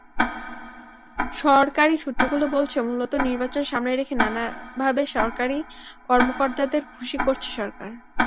সরকারি সূত্রগুলো বলছে, মূলত নির্বাচন সামনে রেখে নানাভাবে সরকারি কর্মকর্তাদের খুশি করছে সরকার।